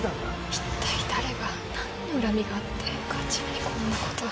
一体誰が何の恨みがあって課長にこんなことを。